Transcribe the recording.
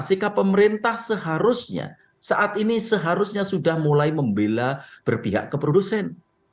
sikap pemerintah seharusnya saat ini seharusnya sudah mulai membela berpihak ke produsen